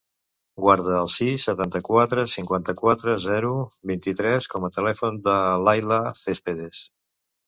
Guarda el sis, setanta-quatre, cinquanta-quatre, zero, vint-i-tres com a telèfon de l'Ayla Cespedes.